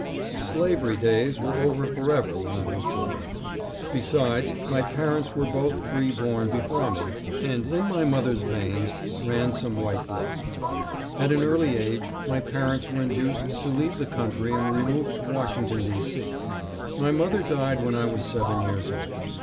Slavery days were over forever when I was born. Besides, my parents were both free born before me, and in my mother's veins ran some white blood. At an early age, my parents were induced to leave the country and remove to Washington, D. C. My mother died when I was seven years old.